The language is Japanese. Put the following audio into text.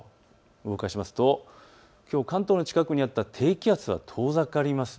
動かしますときょう、関東の近くにあった低気圧は遠ざかります。